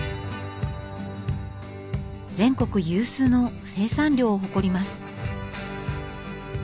全国有数の生産量を誇ります。